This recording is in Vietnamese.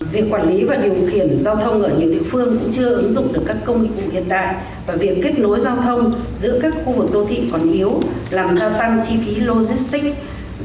điều kết nối giao thông giữa các khu vực đô thị còn yếu làm giao tăng chi phí logistic